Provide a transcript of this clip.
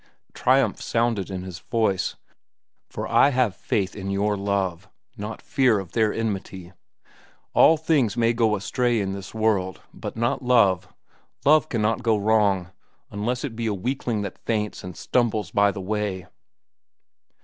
Triumph sounded in his voice. "For I have faith in your love, not fear of their enmity. All things may go astray in this world, but not love. Love cannot go wrong unless it be a weakling that faints and stumbles by the way."